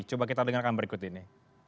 coba kita dengarkan berikut ini